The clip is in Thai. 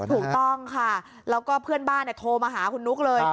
ถูกต้องค่ะแล้วก็เพื่อนบ้านโทรมาหาคุณนุ๊กเลย